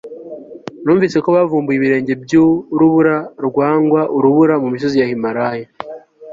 numvise ko bavumbuye ibirenge byurubura rwangwa urubura mumisozi ya himalaya